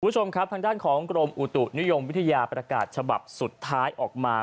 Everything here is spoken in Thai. คุณผู้ชมครับทางด้านของกรมอุตุนิยมวิทยาประกาศฉบับสุดท้ายออกมา